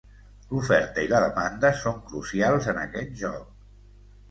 L'oferta i la demanda són crucials en aquest joc.